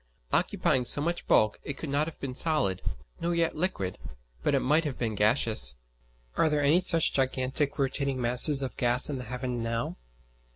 Occupying so much bulk it could not have been solid, nor yet liquid, but it might have been gaseous. Are there any such gigantic rotating masses of gas in the heaven now?